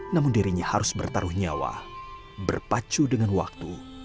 namun dirinya harus bertaruh nyawa berpacu dengan waktu